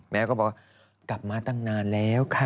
แม่ก็บอกว่ากลับมาตั้งนานแล้วค่ะ